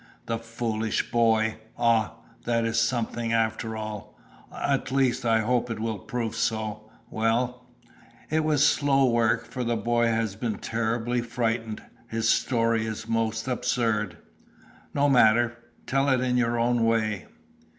"The foolish boy? Ah, that is something after all, at least, I hope it will prove so. Well?" "It was slow work, for the boy has been terribly frightened. His story is most absurd." "No matter, tell it in your own way."